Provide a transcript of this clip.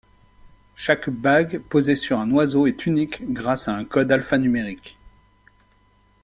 Chaque bague posée sur un oiseau est unique grâce à un code alphanumérique.